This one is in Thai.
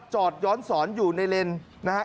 จอดย้อนสอนอยู่ในเลนนะฮะ